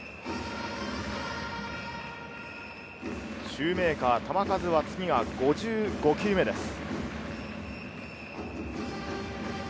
シューメーカー、球数は次が５５球目です。